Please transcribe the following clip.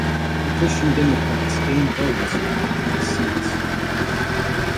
The Christian Democrats gained votes but lost seats.